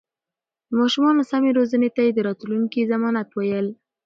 د ماشومانو سمې روزنې ته يې د راتلونکي ضمانت ويل.